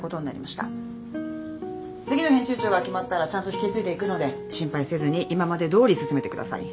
次の編集長が決まったらちゃんと引き継いでいくので心配せずに今までどおり進めてください。